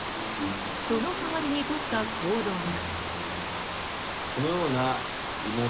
その代わりに取った行動が。